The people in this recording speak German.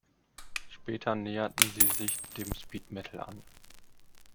Später näherten sie sich dem Speed Metal an.